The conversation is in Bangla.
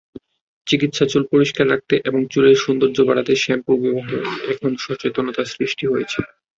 চিকিৎসাচুল পরিষ্কার রাখতে এবং চুলের সৌন্দর্য বাড়াতে শ্যাম্পু ব্যবহারে এখন সচেতনতা সৃষ্টি হয়েছে।